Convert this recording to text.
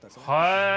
へえ！